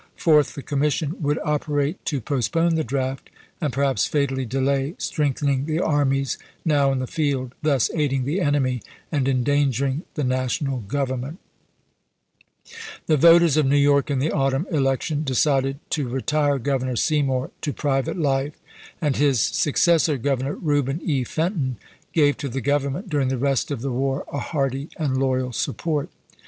Fourth. The commission would operate to postpone the draft, and perhaps fatally delay strength ening the armies now in the field, thus aiding the enemy and endangering the National Government. Fry, "New York and the Con scription," p. 61. The voters of New York in the autumn election decided to retire Governor Seymour to private life, and his successor, Governor Eeuben E. Fenton, gave to the Government, during the rest of the war, a hearty and loyal support.